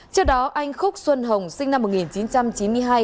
trước đó anh khúc xuân hồng sinh năm một nghìn chín trăm chín mươi hai